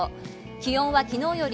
気温は昨日より